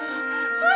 hah jessy kenapa dia